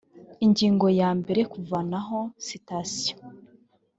ingingo ya mbere kuvanaho sitasiyo